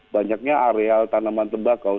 banyaknya area tanaman tembakau